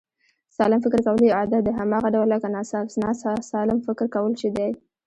سالم فکر کول یو عادت دی، هماغه ډول لکه ناسلم فکر کول چې دی